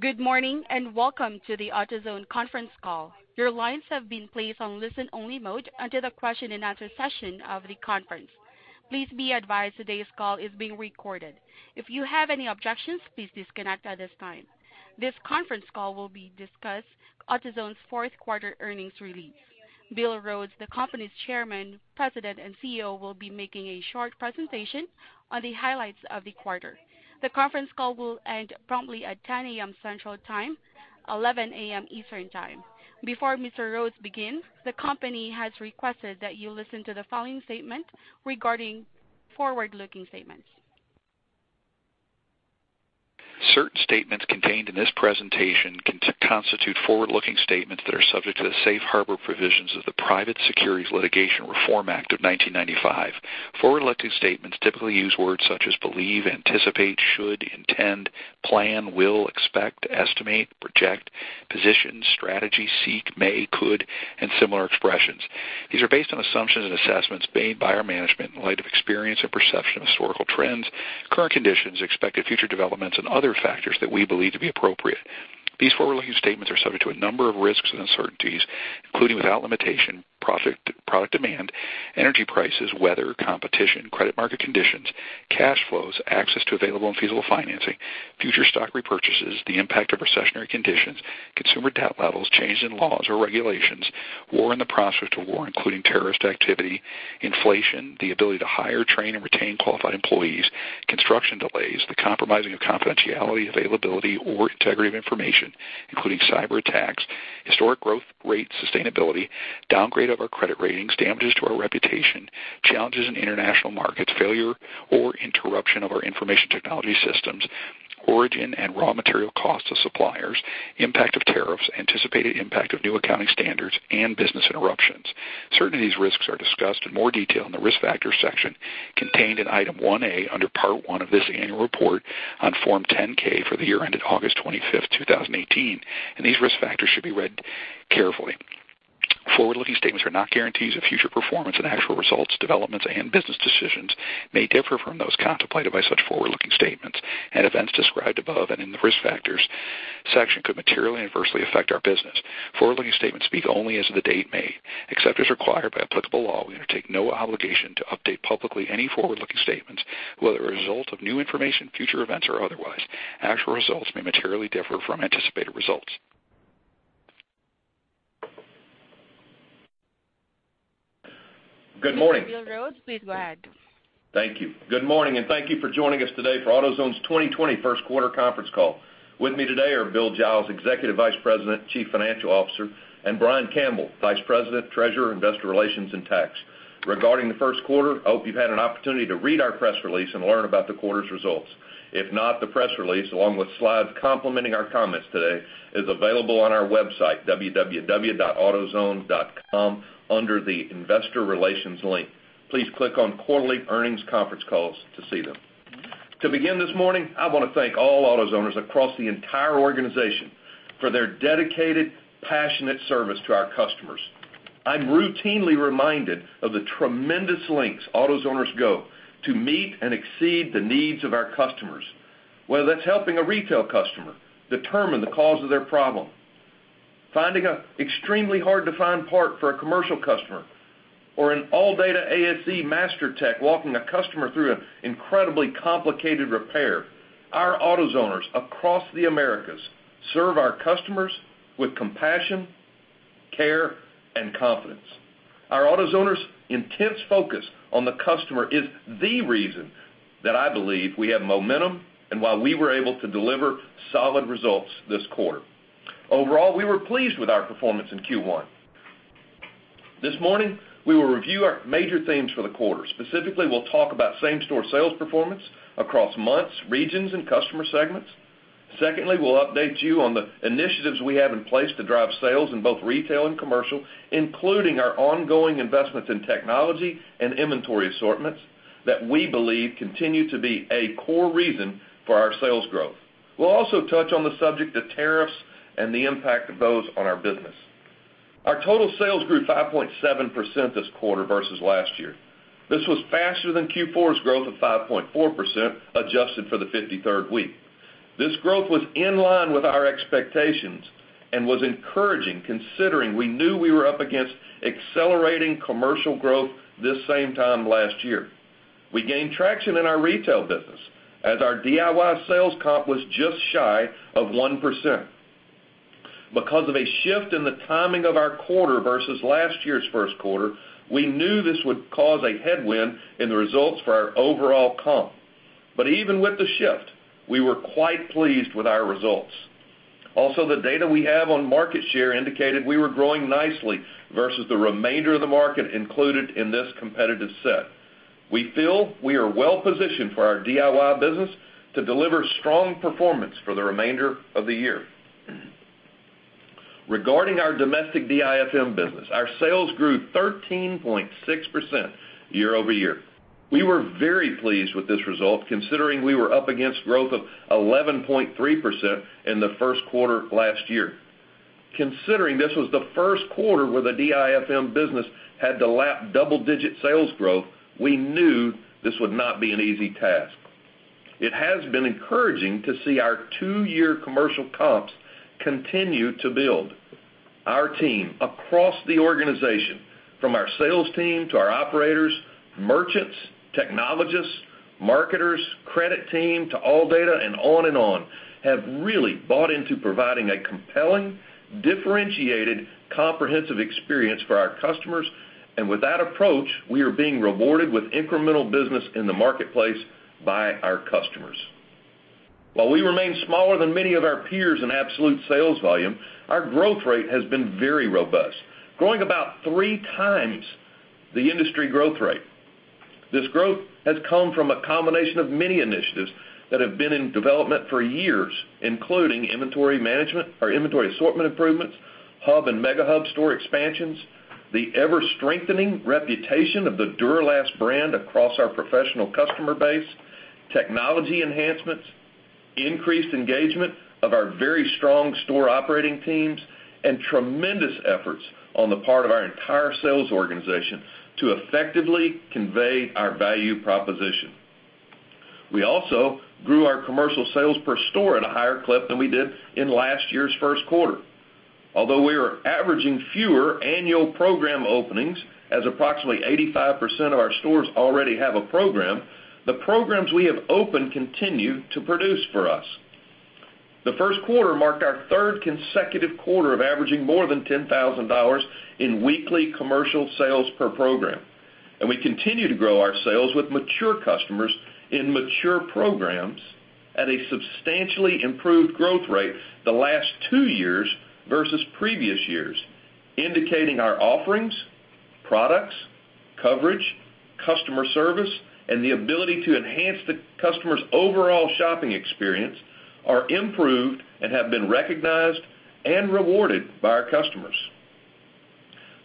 Good morning, and welcome to the AutoZone conference call. Your lines have been placed on listen-only mode until the question and answer session of the conference. Please be advised today's call is being recorded. If you have any objections, please disconnect at this time. This conference call will discuss AutoZone's fourth quarter earnings release. Bill Rhodes, the company's Chairman, President, and CEO, will be making a short presentation on the highlights of the quarter. The conference call will end promptly at 10:00 A.M. Central Time, 11:00 A.M. Eastern Time. Before Mr. Rhodes begins, the company has requested that you listen to the following statement regarding forward-looking statements. Certain statements contained in this presentation constitute forward-looking statements that are subject to the safe harbor provisions of the Private Securities Litigation Reform Act of 1995. Forward-looking statements typically use words such as believe, anticipate, should, intend, plan, will, expect, estimate, project, position, strategy, seek, may, could, and similar expressions. These are based on assumptions and assessments made by our management in light of experience and perception of historical trends, current conditions, expected future developments, and other factors that we believe to be appropriate. These forward-looking statements are subject to a number of risks and uncertainties, including without limitation, product demand, energy prices, weather, competition, credit market conditions, cash flows, access to available and feasible financing, future stock repurchases, the impact of recessionary conditions, consumer debt levels, changes in laws or regulations, war or the prospect of war, including terrorist activity, inflation, the ability to hire, train, and retain qualified employees, construction delays, the compromising of confidentiality, availability, or integrity of information, including cyberattacks, historic growth rate sustainability, downgrade of our credit ratings, damages to our reputation, challenges in international markets, failure or interruption of our information technology systems, origin and raw material costs to suppliers, impact of tariffs, anticipated impact of new accounting standards, and business interruptions. Certain of these risks are discussed in more detail in the Risk Factors section contained in Item 1A under Part 1 of this annual report on Form 10-K for the year ended August 25th, 2018. These risk factors should be read carefully. Forward-looking statements are not guarantees of future performance, and actual results, developments, and business decisions may differ from those contemplated by such forward-looking statements. Events described above and in the Risk Factors section could materially adversely affect our business. Forward-looking statements speak only as of the date made. Except as required by applicable law, we undertake no obligation to update publicly any forward-looking statements, whether as a result of new information, future events, or otherwise. Actual results may materially differ from anticipated results. Mr. Bill Rhodes, please go ahead. Thank you. Good morning, and thank you for joining us today for AutoZone's 2020 first quarter conference call. With me today are Bill Giles, Executive Vice President, Chief Financial Officer, and Brian Campbell, Vice President, Treasurer, Investor Relations, and Tax. Regarding the first quarter, I hope you've had an opportunity to read our press release and learn about the quarter's results. If not, the press release, along with slides complementing our comments today, is available on our website, www.autozone.com, under the Investor Relations link. Please click on Quarterly Earnings Conference Calls to see them. To begin this morning, I want to thank all AutoZoners across the entire organization for their dedicated, passionate service to our customers. I'm routinely reminded of the tremendous lengths AutoZoners go to meet and exceed the needs of our customers. Whether that's helping a retail customer determine the cause of their problem, finding an extremely hard-to-find part for a commercial customer, or an ALLDATA ASE master tech walking a customer through an incredibly complicated repair, our AutoZoners across the Americas serve our customers with compassion, care, and confidence. Our AutoZoners' intense focus on the customer is the reason that I believe we have momentum and why we were able to deliver solid results this quarter. Overall, we were pleased with our performance in Q1. This morning, we will review our major themes for the quarter. Specifically, we'll talk about same-store sales performance across months, regions, and customer segments. Secondly, we'll update you on the initiatives we have in place to drive sales in both retail and commercial, including our ongoing investments in technology and inventory assortments that we believe continue to be a core reason for our sales growth. We'll also touch on the subject of tariffs and the impact of those on our business. Our total sales grew 5.7% this quarter versus last year. This was faster than Q4's growth of 5.4%, adjusted for the 53rd week. This growth was in line with our expectations and was encouraging, considering we knew we were up against accelerating commercial growth this same time last year. We gained traction in our retail business as our DIY sales comp was just shy of 1%. Because of a shift in the timing of our quarter versus last year's first quarter, we knew this would cause a headwind in the results for our overall comp. Even with the shift, we were quite pleased with our results. Also, the data we have on market share indicated we were growing nicely versus the remainder of the market included in this competitive set. We feel we are well-positioned for our DIY business to deliver strong performance for the remainder of the year. Regarding our domestic DIFM business, our sales grew 13.6% year-over-year. We were very pleased with this result, considering we were up against growth of 11.3% in the first quarter of last year. Considering this was the first quarter where the DIFM business had to lap double-digit sales growth, we knew this would not be an easy task. It has been encouraging to see our two-year commercial comps continue to build. Our team across the organization, from our sales team to our operators, merchants, technologists, marketers, credit team, to ALLDATA and on and on, have really bought into providing a compelling, differentiated, comprehensive experience for our customers. With that approach, we are being rewarded with incremental business in the marketplace by our customers. While we remain smaller than many of our peers in absolute sales volume, our growth rate has been very robust, growing about three times the industry growth rate. This growth has come from a combination of many initiatives that have been in development for years, including inventory management or inventory assortment improvements, hub and mega hub store expansions, the ever-strengthening reputation of the Duralast brand across our professional customer base, technology enhancements, increased engagement of our very strong store operating teams, and tremendous efforts on the part of our entire sales organization to effectively convey our value proposition. We also grew our commercial sales per store at a higher clip than we did in last year's first quarter. Although we are averaging fewer annual program openings, as approximately 85% of our stores already have a program, the programs we have opened continue to produce for us. The first quarter marked our third consecutive quarter of averaging more than $10,000 in weekly commercial sales per program. We continue to grow our sales with mature customers in mature programs at a substantially improved growth rate the last two years versus previous years, indicating our offerings, products, coverage, customer service, and the ability to enhance the customer's overall shopping experience are improved and have been recognized and rewarded by our customers.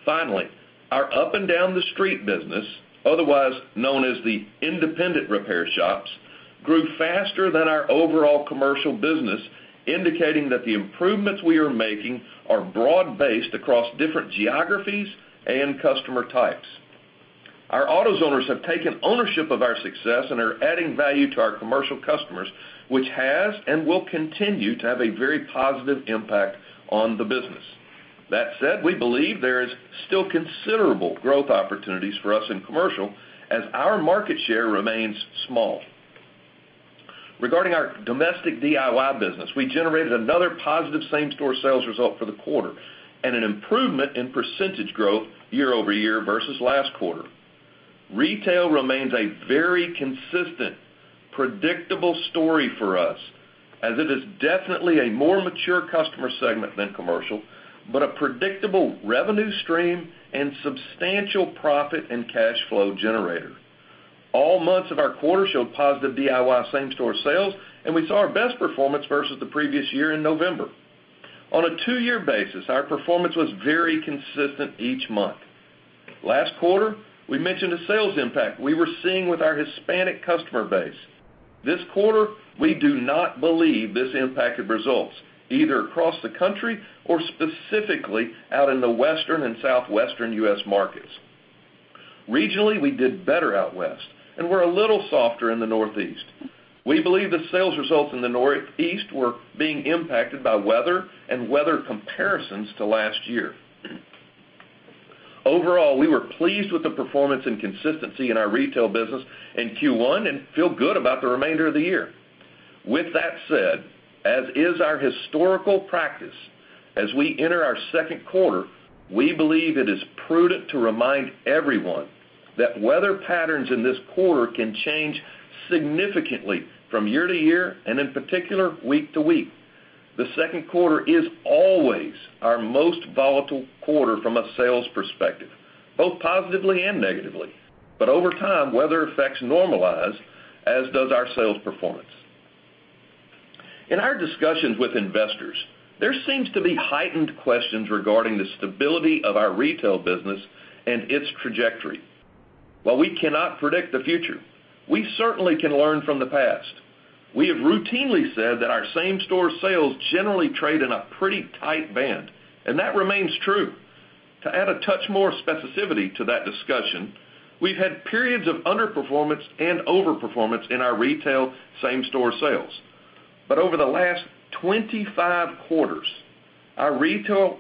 Finally, our up and down the street business, otherwise known as the independent repair shops, grew faster than our overall commercial business, indicating that the improvements we are making are broad-based across different geographies and customer types. Our AutoZoners have taken ownership of our success and are adding value to our commercial customers, which has and will continue to have a very positive impact on the business. That said, we believe there is still considerable growth opportunities for us in commercial as our market share remains small. Regarding our domestic DIY business, we generated another positive same-store sales result for the quarter and an improvement in % growth year-over-year versus last quarter. Retail remains a very consistent, predictable story for us as it is definitely a more mature customer segment than commercial, but a predictable revenue stream and substantial profit and cash flow generator. All months of our quarter showed positive DIY same-store sales, and we saw our best performance versus the previous year in November. On a two-year basis, our performance was very consistent each month. Last quarter, we mentioned a sales impact we were seeing with our Hispanic customer base. This quarter, we do not believe this impacted results either across the country or specifically out in the Western and Southwestern U.S. markets. Regionally, we did better out West and were a little softer in the Northeast. We believe the sales results in the Northeast were being impacted by weather and weather comparisons to last year. Overall, we were pleased with the performance and consistency in our retail business in Q1 and feel good about the remainder of the year. As is our historical practice as we enter our second quarter, we believe it is prudent to remind everyone that weather patterns in this quarter can change significantly from year to year and in particular, week to week. The second quarter is always our most volatile quarter from a sales perspective, both positively and negatively. Over time, weather effects normalize, as does our sales performance. In our discussions with investors, there seems to be heightened questions regarding the stability of our retail business and its trajectory. While we cannot predict the future, we certainly can learn from the past. We have routinely said that our same-store sales generally trade in a pretty tight band, and that remains true. To add a touch more specificity to that discussion, we've had periods of underperformance and overperformance in our retail same-store sales. Over the last 25 quarters, our retail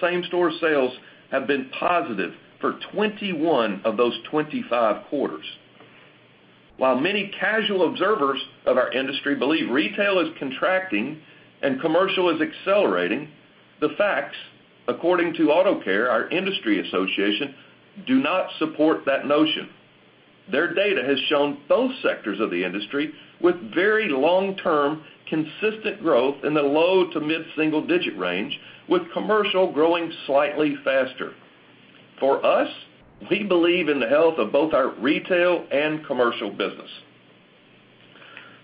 same-store sales have been positive for 21 of those 25 quarters. While many casual observers of our industry believe retail is contracting and commercial is accelerating, the facts, according to Auto Care, our industry association, do not support that notion. Their data has shown both sectors of the industry with very long-term, consistent growth in the low to mid-single digit range, with commercial growing slightly faster. For us, we believe in the health of both our retail and commercial business.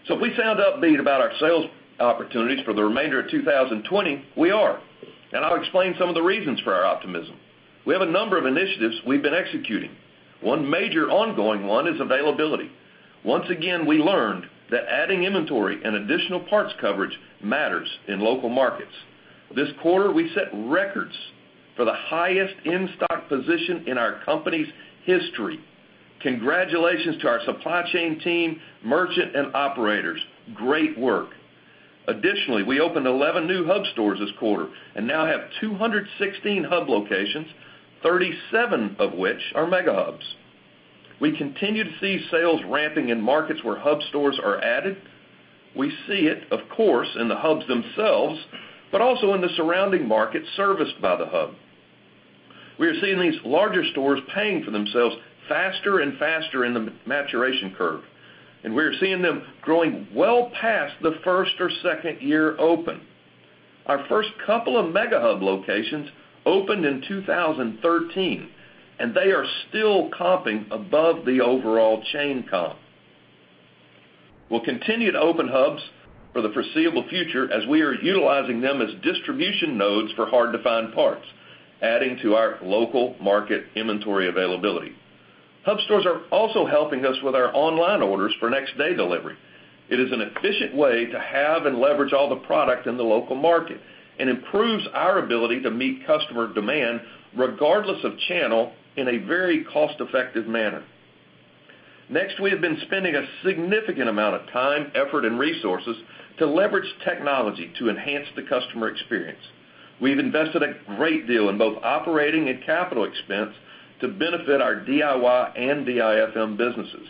If we sound upbeat about our sales opportunities for the remainder of 2020, we are. I'll explain some of the reasons for our optimism. We have a number of initiatives we've been executing. One major ongoing one is availability. Once again, we learned that adding inventory and additional parts coverage matters in local markets. This quarter, we set records for the highest in-stock position in our company's history. Congratulations to our supply chain team, merchant, and operators. Great work. Additionally, we opened 11 new hub stores this quarter and now have 216 hub locations, 37 of which are mega hubs. We continue to see sales ramping in markets where hub stores are added. We see it, of course, in the hubs themselves, but also in the surrounding markets serviced by the hub. We are seeing these larger stores paying for themselves faster and faster in the maturation curve, and we are seeing them growing well past the first or second year open. Our first couple of mega hub locations opened in 2013, and they are still comping above the overall chain comp. We'll continue to open hubs for the foreseeable future as we are utilizing them as distribution nodes for hard-to-find parts, adding to our local market inventory availability. Hub stores are also helping us with our online orders for next-day delivery. It is an efficient way to have and leverage all the product in the local market and improves our ability to meet customer demand regardless of channel in a very cost-effective manner. Next, we have been spending a significant amount of time, effort, and resources to leverage technology to enhance the customer experience. We've invested a great deal in both operating and capital expense to benefit our DIY and DIFM businesses.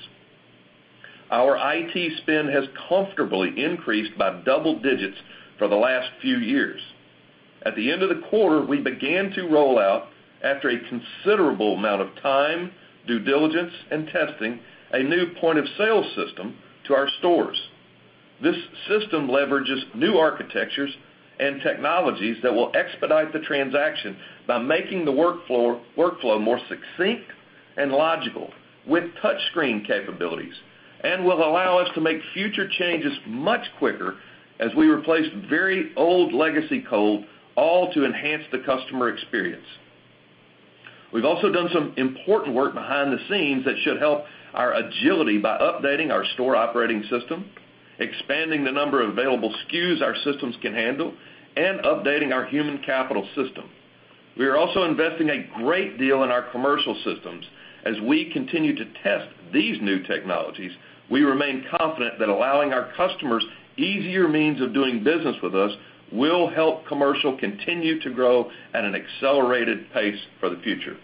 Our IT spend has comfortably increased by double digits for the last few years. At the end of the quarter, we began to roll out, after a considerable amount of time, due diligence, and testing, a new point-of-sale system to our stores. This system leverages new architectures and technologies that will expedite the transaction by making the workflow more succinct and logical with touch screen capabilities and will allow us to make future changes much quicker as we replace very old legacy code, all to enhance the customer experience. We've also done some important work behind the scenes that should help our agility by updating our store operating system, expanding the number of available SKUs our systems can handle, and updating our human capital system. We are also investing a great deal in our commercial systems. As we continue to test these new technologies, we remain confident that allowing our customers easier means of doing business with us will help commercial continue to grow at an accelerated pace for the future.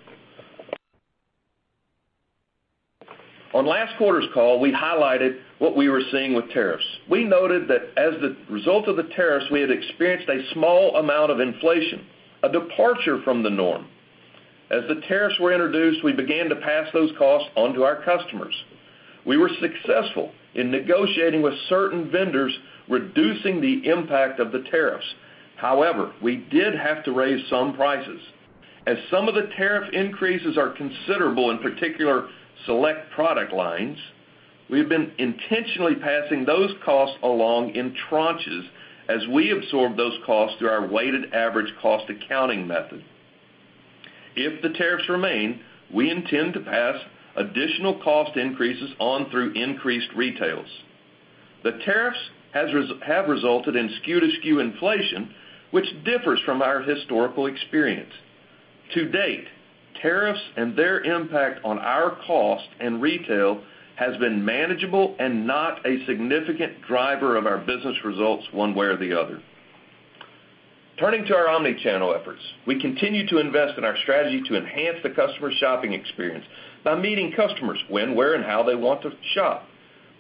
On last quarter's call, we highlighted what we were seeing with tariffs. We noted that as a result of the tariffs, we had experienced a small amount of inflation, a departure from the norm. As the tariffs were introduced, we began to pass those costs on to our customers. We were successful in negotiating with certain vendors, reducing the impact of the tariffs. However, we did have to raise some prices. As some of the tariff increases are considerable, in particular select product lines, we have been intentionally passing those costs along in tranches as we absorb those costs through our weighted average cost accounting method. If the tariffs remain, we intend to pass additional cost increases on through increased retails. The tariffs have resulted in SKU-to-SKU inflation, which differs from our historical experience. To date, tariffs and their impact on our cost and retail has been manageable and not a significant driver of our business results one way or the other. Turning to our omnichannel efforts, we continue to invest in our strategy to enhance the customer shopping experience by meeting customers when, where, and how they want to shop.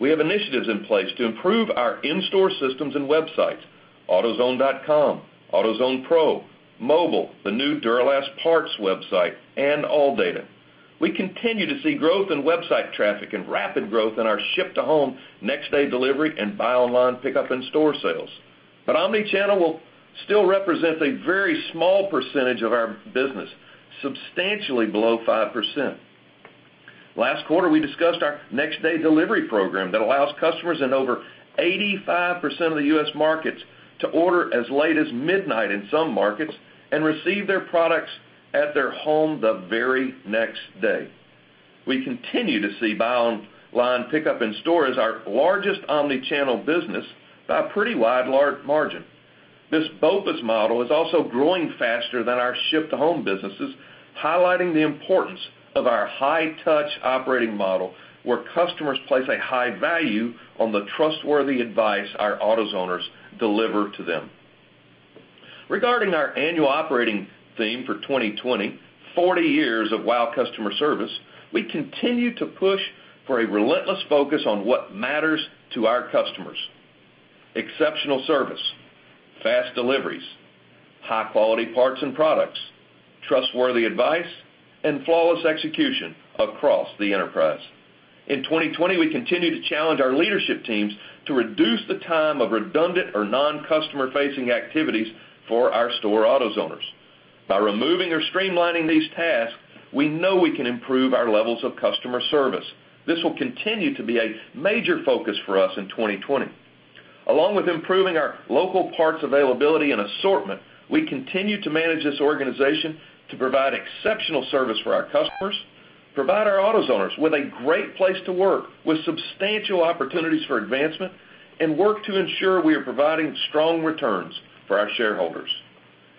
We have initiatives in place to improve our in-store systems and websites, autozone.com, AutoZone Pro, mobile, the new Duralast parts website, and ALLDATA. We continue to see growth in website traffic and rapid growth in our ship-to-home next-day delivery and buy online pickup in-store sales. Omnichannel will still represent a very small percentage of our business, substantially below 5%. Last quarter, we discussed our next-day delivery program that allows customers in over 85% of the U.S. markets to order as late as midnight in some markets and receive their products at their home the very next day. We continue to see buy online pickup in-store as our largest omnichannel business by a pretty wide margin. This BOPUS model is also growing faster than our ship-to-home businesses, highlighting the importance of our high-touch operating model, where customers place a high value on the trustworthy advice our AutoZoners deliver to them. Regarding our annual operating theme for 2020, 40 years of wow customer service, we continue to push for a relentless focus on what matters to our customers. Exceptional service, fast deliveries, high-quality parts and products, trustworthy advice, and flawless execution across the enterprise. In 2020, we continue to challenge our leadership teams to reduce the time of redundant or non-customer-facing activities for our store AutoZoners. By removing or streamlining these tasks, we know we can improve our levels of customer service. This will continue to be a major focus for us in 2020. Along with improving our local parts availability and assortment, we continue to manage this organization to provide exceptional service for our customers, provide our AutoZoners with a great place to work with substantial opportunities for advancement, and work to ensure we are providing strong returns for our shareholders.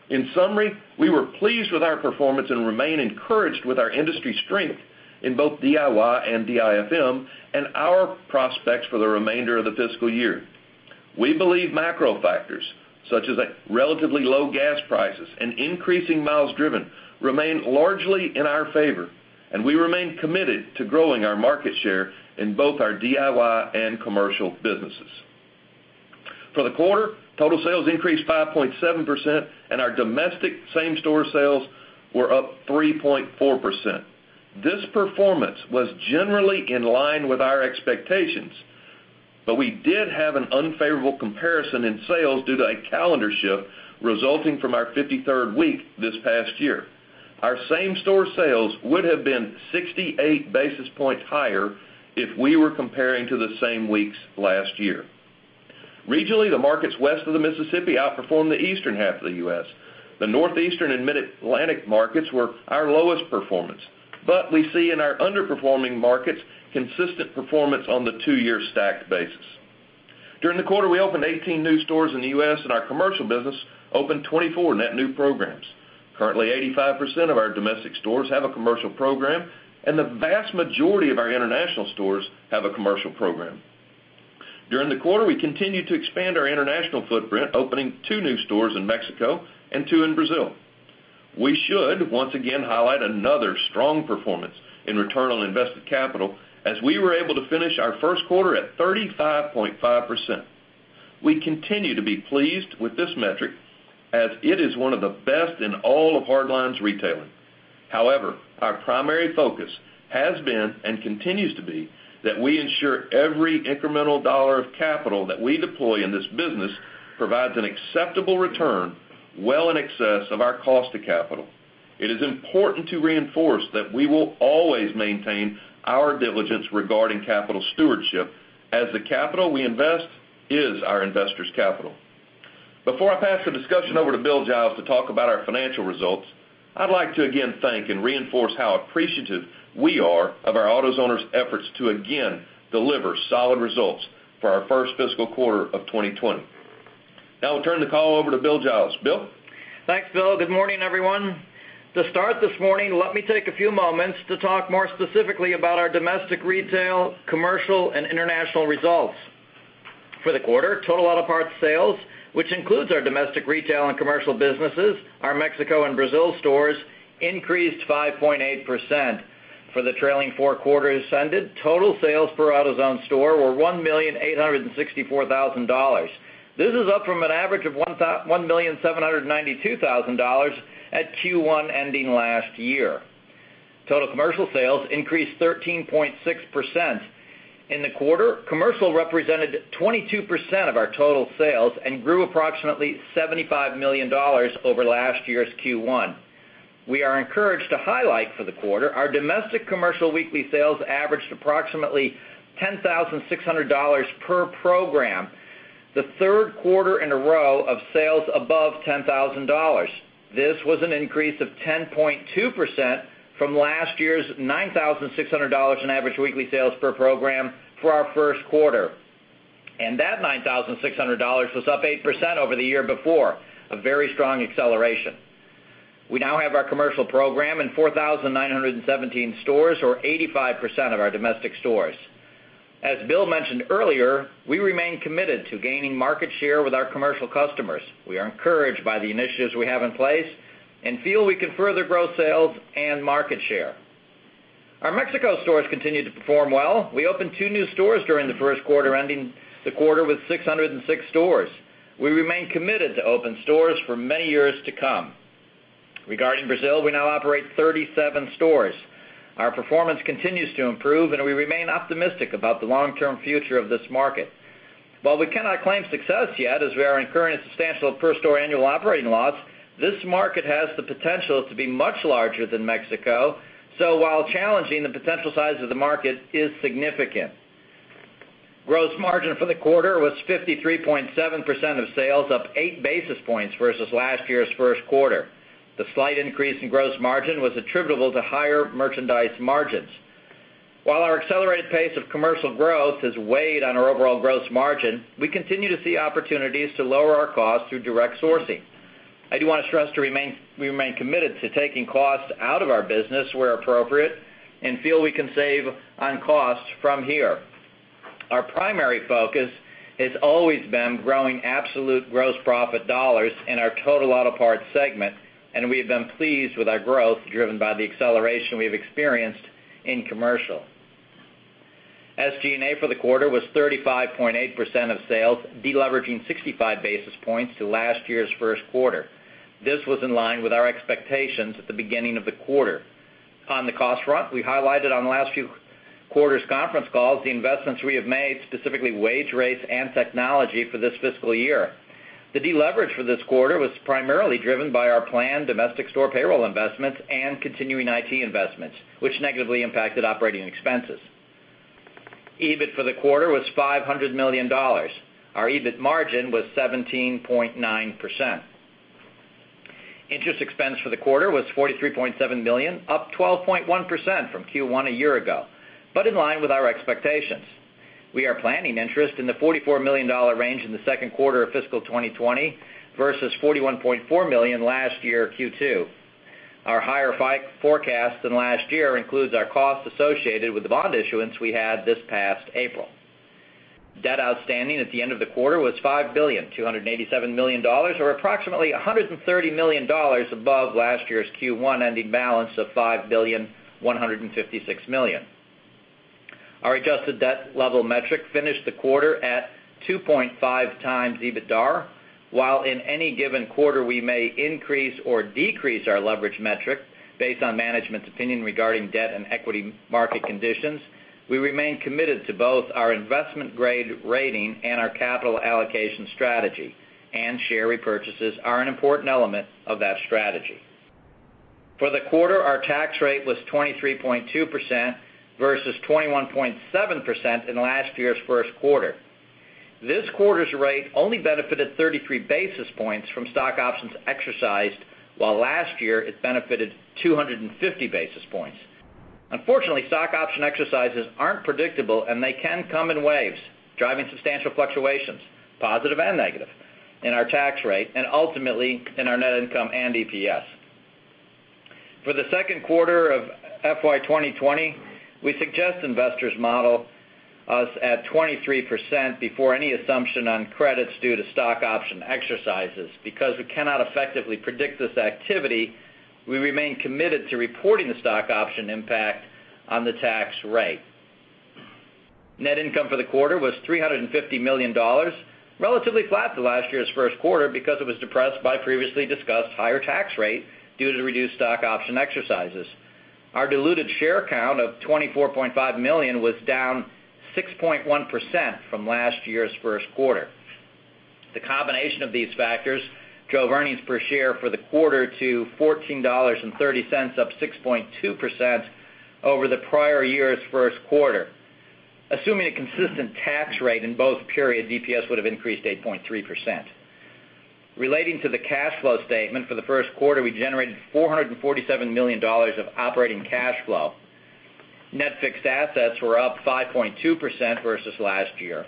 In summary, we were pleased with our performance and remain encouraged with our industry strength in both DIY and DIFM and our prospects for the remainder of the fiscal year. We believe macro factors such as relatively low gas prices and increasing miles driven remain largely in our favor, and we remain committed to growing our market share in both our DIY and commercial businesses. For the quarter, total sales increased 5.7%, and our domestic same-store sales were up 3.4%. This performance was generally in line with our expectations, but we did have an unfavorable comparison in sales due to a calendar shift resulting from our 53rd week this past year. Our same-store sales would have been 68 basis points higher if we were comparing to the same weeks last year. Regionally, the markets west of the Mississippi outperformed the eastern half of the U.S. The Northeastern and Mid-Atlantic markets were our lowest performance, but we see in our underperforming markets consistent performance on the 2-year stacked basis. During the quarter, we opened 18 new stores in the U.S., and our commercial business opened 24 net new programs. Currently, 85% of our domestic stores have a commercial program, and the vast majority of our international stores have a commercial program. During the quarter, we continued to expand our international footprint, opening 2 new stores in Mexico and 2 in Brazil. We should once again highlight another strong performance in Return on Invested Capital as we were able to finish our first quarter at 35.5%. We continue to be pleased with this metric as it is one of the best in all of hardlines retailing. However, our primary focus has been and continues to be that we ensure every incremental dollar of capital that we deploy in this business provides an acceptable return well in excess of our cost of capital. It is important to reinforce that we will always maintain our diligence regarding capital stewardship as the capital we invest is our investors' capital. Before I pass the discussion over to Bill Giles to talk about our financial results, I'd like to again thank and reinforce how appreciative we are of our AutoZoners' efforts to again deliver solid results for our first fiscal quarter of 2020. Now I'll turn the call over to Bill Giles. Bill? Thanks, Bill. Good morning, everyone. To start this morning, let me take a few moments to talk more specifically about our domestic retail, commercial, and international results. For the quarter, total auto parts sales, which includes our domestic retail and commercial businesses, our Mexico and Brazil stores increased 5.8%. For the trailing four quarters ended, total sales per AutoZone store were $1,864,000. This is up from an average of $1,792,000 at Q1 ending last year. Total commercial sales increased 13.6%. In the quarter, commercial represented 22% of our total sales and grew approximately $75 million over last year's Q1. We are encouraged to highlight for the quarter our domestic commercial weekly sales averaged approximately $10,600 per program, the third quarter in a row of sales above $10,000. This was an increase of 10.2% from last year's $9,600 in average weekly sales per program for our first quarter. That $9,600 was up 8% over the year before, a very strong acceleration. We now have our commercial program in 4,917 stores or 85% of our domestic stores. As Bill mentioned earlier, we remain committed to gaining market share with our commercial customers. We are encouraged by the initiatives we have in place and feel we can further grow sales and market share. Our Mexico stores continued to perform well. We opened two new stores during the first quarter, ending the quarter with 606 stores. We remain committed to open stores for many years to come. Regarding Brazil, we now operate 37 stores. Our performance continues to improve, and we remain optimistic about the long-term future of this market. While we cannot claim success yet as we are incurring substantial per-store annual operating loss, this market has the potential to be much larger than Mexico. While challenging, the potential size of the market is significant. Gross margin for the quarter was 53.7% of sales, up eight basis points versus last year's first quarter. The slight increase in gross margin was attributable to higher merchandise margins. While our accelerated pace of commercial growth has weighed on our overall gross margin, we continue to see opportunities to lower our cost through direct sourcing. I do want to stress we remain committed to taking cost out of our business where appropriate and feel we can save on costs from here. Our primary focus has always been growing absolute gross profit dollars in our total auto parts segment, and we have been pleased with our growth driven by the acceleration we have experienced in commercial. SG&A for the quarter was 35.8% of sales, deleveraging 65 basis points to last year's first quarter. This was in line with our expectations at the beginning of the quarter. On the cost front, we highlighted on the last few quarters conference calls the investments we have made, specifically wage rates and technology for this fiscal year. The deleverage for this quarter was primarily driven by our planned domestic store payroll investments and continuing IT investments, which negatively impacted operating expenses. EBIT for the quarter was $500 million. Our EBIT margin was 17.9%. Interest expense for the quarter was $43.7 million, up 12.1% from Q1 a year ago, but in line with our expectations. We are planning interest in the $44 million range in the second quarter of fiscal 2020 versus $41.4 million last year, Q2. Our higher forecast than last year includes our cost associated with the bond issuance we had this past April. Debt outstanding at the end of the quarter was $5,287,000,000, or approximately $130 million above last year's Q1 ending balance of $5,156,000,000. Our adjusted debt level metric finished the quarter at 2.5 times EBITDAR. While in any given quarter we may increase or decrease our leverage metric based on management's opinion regarding debt and equity market conditions, we remain committed to both our investment-grade rating and our capital allocation strategy, and share repurchases are an important element of that strategy. For the quarter, our tax rate was 23.2% versus 21.7% in last year's first quarter. This quarter's rate only benefited 33 basis points from stock options exercised, while last year it benefited 250 basis points. Unfortunately, stock option exercises aren't predictable, and they can come in waves, driving substantial fluctuations, positive and negative, in our tax rate, and ultimately, in our net income and EPS. For the second quarter of FY 2020, we suggest investors model us at 23% before any assumption on credits due to stock option exercises. We cannot effectively predict this activity, we remain committed to reporting the stock option impact on the tax rate. Net income for the quarter was $350 million, relatively flat to last year's first quarter because it was depressed by previously discussed higher tax rate due to reduced stock option exercises. Our diluted share count of 24.5 million was down 6.1% from last year's first quarter. The combination of these factors drove earnings per share for the quarter to $14.30, up 6.2% over the prior year's first quarter. Assuming a consistent tax rate in both periods, EPS would have increased 8.3%. Relating to the cash flow statement for the first quarter, we generated $447 million of operating cash flow. Net fixed assets were up 5.2% versus last year.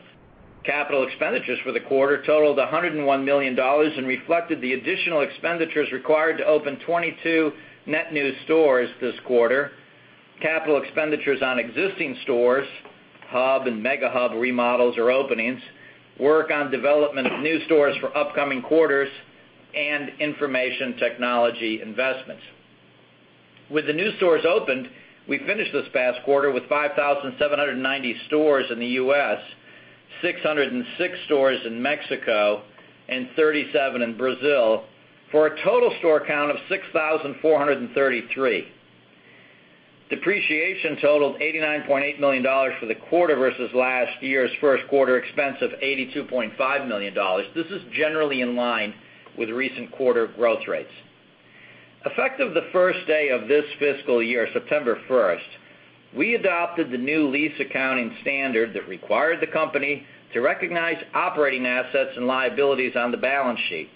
Capital expenditures for the quarter totaled $101 million and reflected the additional expenditures required to open 22 net new stores this quarter. Capital expenditures on existing stores, hub and mega hub remodels or openings, work on development of new stores for upcoming quarters, and information technology investments. With the new stores opened, we finished this past quarter with 5,790 stores in the U.S., 606 stores in Mexico, and 37 in Brazil, for a total store count of 6,433. Depreciation totaled $89.8 million for the quarter versus last year's first quarter expense of $82.5 million. This is generally in line with recent quarter growth rates. Effective the first day of this fiscal year, September 1st, we adopted the new lease accounting standard that required the company to recognize operating assets and liabilities on the balance sheet.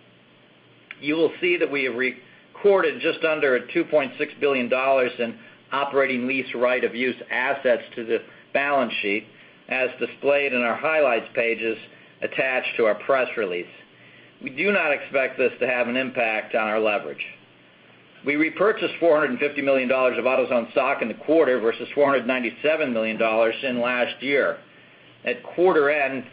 You will see that we have recorded just under $2.6 billion in operating lease right-of-use assets to the balance sheet, as displayed in our highlights pages attached to our press release. We do not expect this to have an impact on our leverage. We repurchased $450 million of AutoZone stock in the quarter versus $497 million in last year. At quarter end,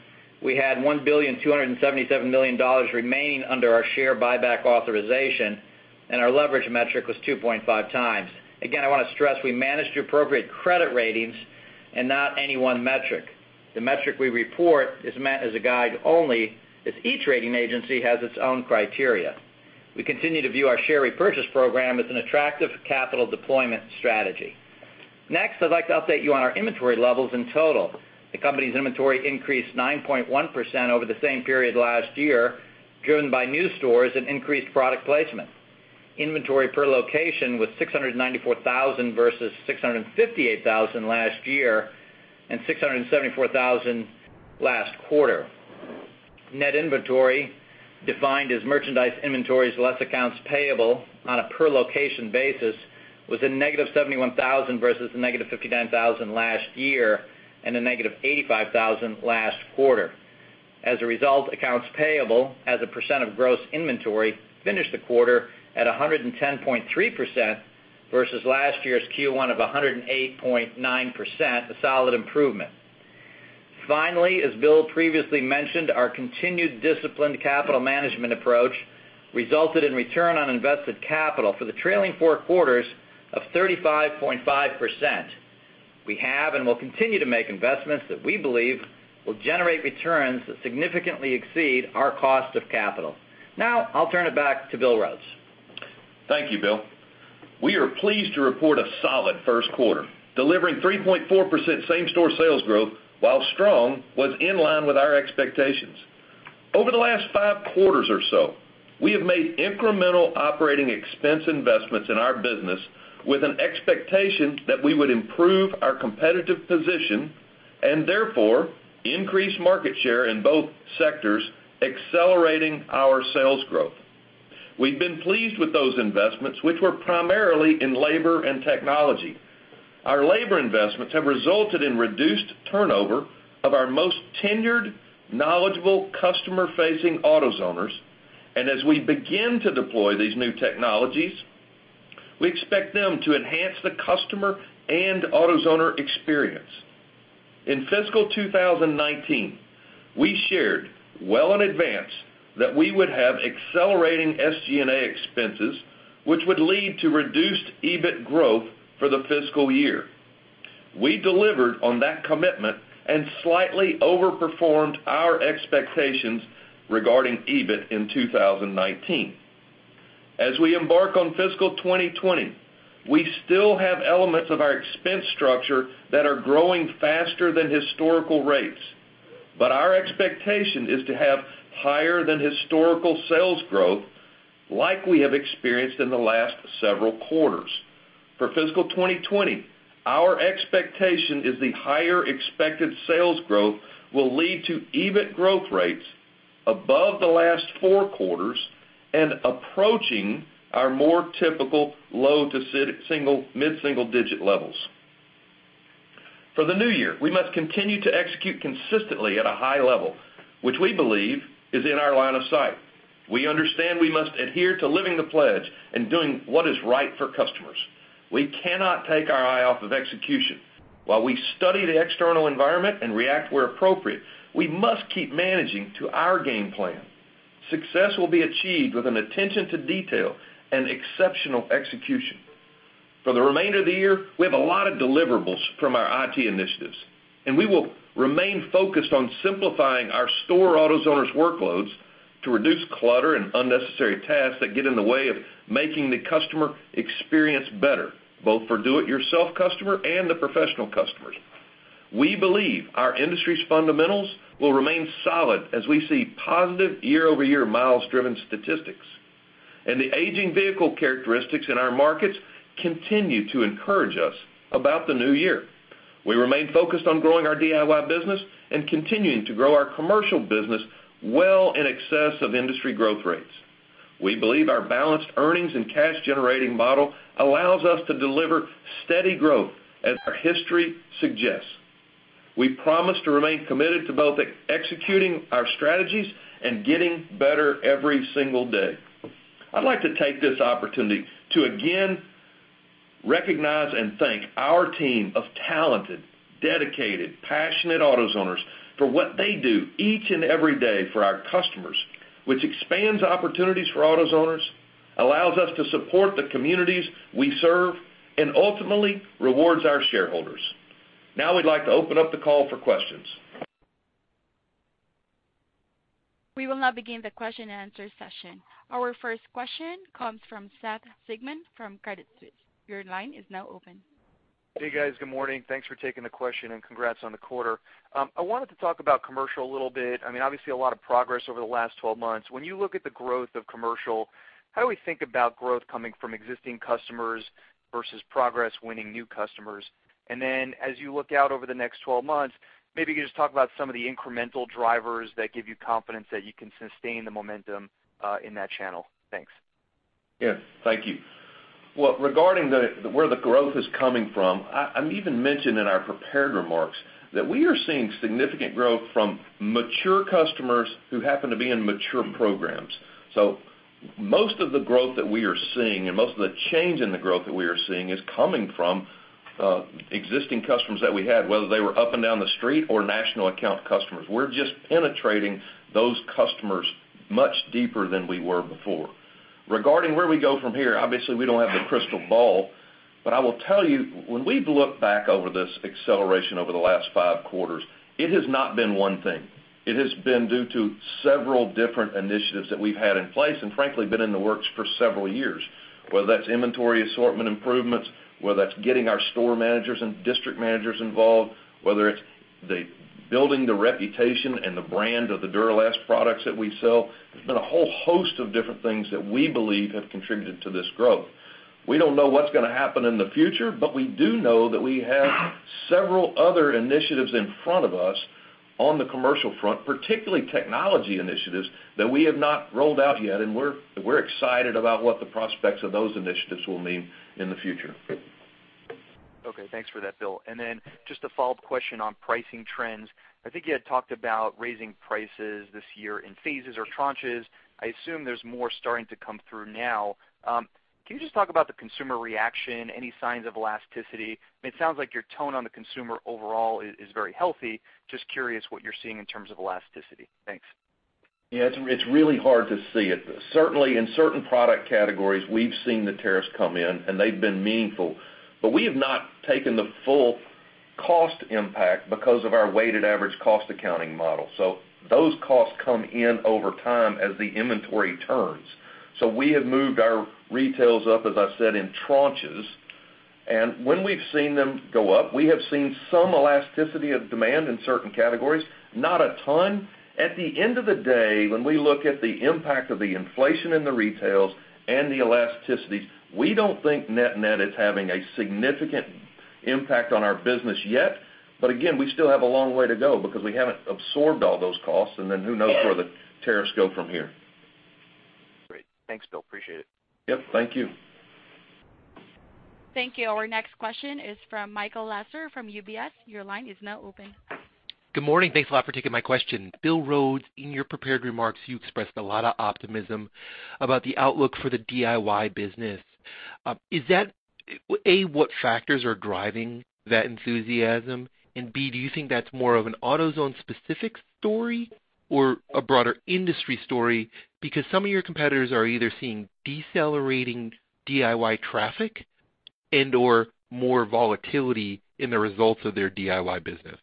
we had $1,277,000,000 remaining under our share buyback authorization, and our leverage metric was 2.5 times. Again, I want to stress we manage to appropriate credit ratings and not any one metric. The metric we report is meant as a guide only, as each rating agency has its own criteria. We continue to view our share repurchase program as an attractive capital deployment strategy. Next, I'd like to update you on our inventory levels in total. The company's inventory increased 9.1% over the same period last year, driven by new stores and increased product placement. Inventory per location was $694,000 versus $658,000 last year and $674,000 last quarter. Net inventory, defined as merchandise inventories less accounts payable on a per-location basis, was a negative $71,000 versus a negative $59,000 last year and a negative $85,000 last quarter. As a result, accounts payable as a percent of gross inventory finished the quarter at 110.3% versus last year's Q1 of 108.9%, a solid improvement. Finally, as Bill previously mentioned, our continued disciplined capital management approach resulted in Return on Invested Capital for the trailing four quarters of 35.5%. We have and will continue to make investments that we believe will generate returns that significantly exceed our cost of capital. Now, I'll turn it back to Bill Rhodes. Thank you, Bill. We are pleased to report a solid first quarter, delivering 3.4% same-store sales growth, while strong, was in line with our expectations. Over the last five quarters or so, we have made incremental operating expense investments in our business with an expectation that we would improve our competitive position. Therefore, increase market share in both sectors, accelerating our sales growth. We've been pleased with those investments, which were primarily in labor and technology. Our labor investments have resulted in reduced turnover of our most tenured, knowledgeable, customer-facing AutoZoners. As we begin to deploy these new technologies, we expect them to enhance the customer and AutoZoner experience. In FY 2019, we shared well in advance that we would have accelerating SG&A expenses, which would lead to reduced EBIT growth for the fiscal year. We delivered on that commitment and slightly overperformed our expectations regarding EBIT in 2019. As we embark on fiscal 2020, we still have elements of our expense structure that are growing faster than historical rates. Our expectation is to have higher than historical sales growth like we have experienced in the last several quarters. For fiscal 2020, our expectation is the higher expected sales growth will lead to EBIT growth rates above the last four quarters and approaching our more typical low-to-mid single-digit levels. For the new year, we must continue to execute consistently at a high level, which we believe is in our line of sight. We understand we must adhere to Living the Pledge and doing what is right for customers. We cannot take our eye off of execution. While we study the external environment and react where appropriate, we must keep managing to our game plan. Success will be achieved with an attention to detail and exceptional execution. For the remainder of the year, we have a lot of deliverables from our IT initiatives, and we will remain focused on simplifying our store AutoZoners' workloads to reduce clutter and unnecessary tasks that get in the way of making the customer experience better, both for do-it-yourself customer and the professional customers. We believe our industry's fundamentals will remain solid as we see positive year-over-year miles-driven statistics. The aging vehicle characteristics in our markets continue to encourage us about the new year. We remain focused on growing our DIY business and continuing to grow our commercial business well in excess of industry growth rates. We believe our balanced earnings and cash-generating model allows us to deliver steady growth as our history suggests. We promise to remain committed to both executing our strategies and getting better every single day. I'd like to take this opportunity to again recognize and thank our team of talented, dedicated, passionate AutoZoners for what they do each and every day for our customers, which expands opportunities for AutoZoners, allows us to support the communities we serve, and ultimately rewards our shareholders. Now we'd like to open up the call for questions. We will now begin the question and answer session. Our first question comes from Seth Sigman from Credit Suisse. Your line is now open. Hey, guys. Good morning. Thanks for taking the question and congrats on the quarter. I wanted to talk about Commercial a little bit. Obviously, a lot of progress over the last 12 months. When you look at the growth of Commercial, how do we think about growth coming from existing customers versus progress winning new customers? As you look out over the next 12 months, maybe you could just talk about some of the incremental drivers that give you confidence that you can sustain the momentum in that channel. Thanks. Thank you. Well, regarding where the growth is coming from, I even mentioned in our prepared remarks that we are seeing significant growth from mature customers who happen to be in mature programs. Most of the growth that we are seeing and most of the change in the growth that we are seeing is coming from existing customers that we had, whether they were up and down the street or national account customers. We're just penetrating those customers much deeper than we were before. Regarding where we go from here, obviously, we don't have the crystal ball. I will tell you, when we look back over this acceleration over the last five quarters, it has not been one thing. It has been due to several different initiatives that we've had in place and frankly, been in the works for several years, whether that's inventory assortment improvements, whether that's getting our store managers and district managers involved, whether it's building the reputation and the brand of the Duralast products that we sell. There's been a whole host of different things that we believe have contributed to this growth. We don't know what's going to happen in the future, but we do know that we have several other initiatives in front of us on the commercial front, particularly technology initiatives that we have not rolled out yet, and we're excited about what the prospects of those initiatives will mean in the future. Okay. Thanks for that, Bill. Then just a follow-up question on pricing trends. I think you had talked about raising prices this year in phases or tranches. I assume there's more starting to come through now. Can you just talk about the consumer reaction, any signs of elasticity? It sounds like your tone on the consumer overall is very healthy. Just curious what you're seeing in terms of elasticity. Thanks. Yeah, it's really hard to see it. Certainly, in certain product categories, we've seen the tariffs come in and they've been meaningful, but we have not taken the full cost impact because of our weighted average cost accounting model. Those costs come in over time as the inventory turns. We have moved our retails up, as I said, in tranches. When we've seen them go up, we have seen some elasticity of demand in certain categories, not a ton. At the end of the day, when we look at the impact of the inflation in the retails and the elasticities, we don't think net is having a significant impact on our business yet. Again, we still have a long way to go because we haven't absorbed all those costs, who knows where the tariffs go from here. Great. Thanks, Bill. Appreciate it. Yep. Thank you. Thank you. Our next question is from Michael Lasser from UBS. Your line is now open. Good morning. Thanks a lot for taking my question. Bill Rhodes, in your prepared remarks, you expressed a lot of optimism about the outlook for the DIY business. A, what factors are driving that enthusiasm? B, do you think that's more of an AutoZone specific story or a broader industry story? Because some of your competitors are either seeing decelerating DIY traffic and/or more volatility in the results of their DIY business.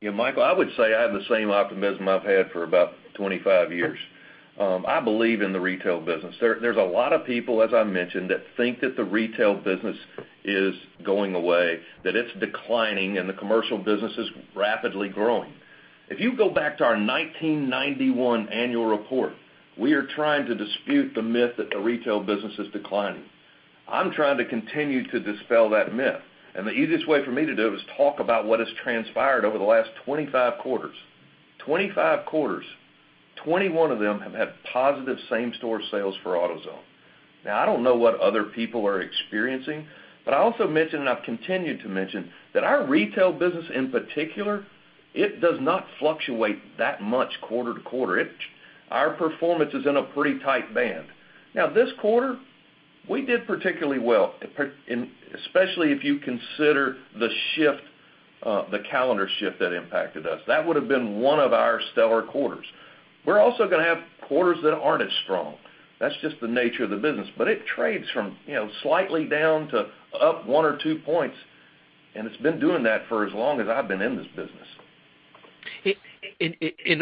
Yeah, Michael, I would say I have the same optimism I've had for about 25 years. I believe in the retail business. There's a lot of people, as I mentioned, that think that the retail business is going away, that it's declining and the commercial business is rapidly growing. If you go back to our 1991 annual report, we are trying to dispute the myth that the retail business is declining. I'm trying to continue to dispel that myth, and the easiest way for me to do it is talk about what has transpired over the last 25 quarters. 25 quarters, 21 of them have had positive same-store sales for AutoZone. Now, I don't know what other people are experiencing, but I also mentioned, and I've continued to mention, that our retail business in particular, it does not fluctuate that much quarter to quarter. Our performance is in a pretty tight band. This quarter, we did particularly well, especially if you consider the calendar shift that impacted us. That would've been one of our stellar quarters. We're also going to have quarters that aren't as strong. That's just the nature of the business. It trades from slightly down to up one or two points, and it's been doing that for as long as I've been in this business.